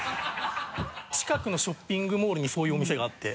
近くのショッピングモールにそういうお店があって。